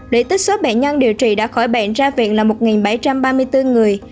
để tích số bệnh nhân điều trị đã khỏi bệnh ra viện là một bảy trăm ba mươi bốn người